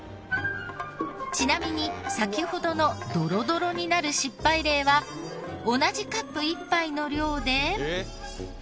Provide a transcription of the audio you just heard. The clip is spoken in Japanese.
ちなみに先ほどのドロドロになる失敗例は同じカップ１杯の量で。